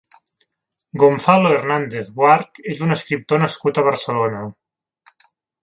Gonzalo Hernández Guarch és un escriptor nascut a Barcelona.